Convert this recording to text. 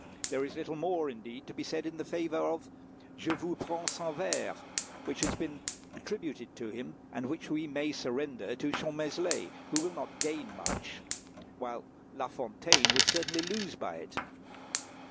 There is little more, indeed, to be said in favour of "Je vous prends sans Verts," which has been attributed to him, and which we may surrender to Champmeslé, who will not gain much, while La Fontaine would certainly lose by it.